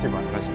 terima kasih pak